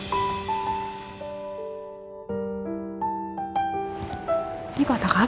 di hari pernikahan kita tapi